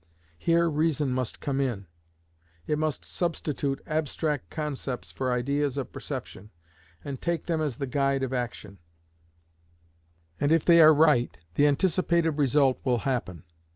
Here reason must come in; it must substitute abstract concepts for ideas of perception, and take them as the guide of action; and if they are right, the anticipated result will happen.